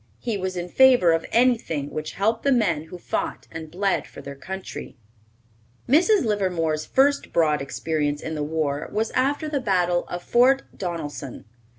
He was in favor of anything which helped the men who fought and bled for their country. Mrs. Livermore's first broad experience in the war was after the battle of Fort Donelson.